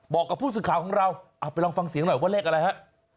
บอกกับผู้สื่อข่าวของเราเอาไปลองฟังเสียงหน่อยว่าเลขอะไรฮะ